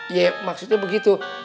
ya maksudnya begitu